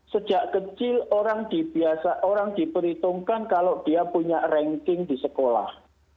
sejak kecil orang diperhitungkan kalau dia punya ranking di sekolah